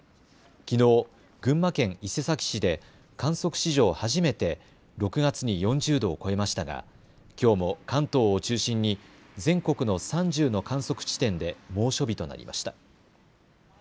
きのう群馬県伊勢崎市で観測史上初めて６月に４０度を超えましたがきょうも関東を中心に全国の３０の観測地点で猛暑日となりました。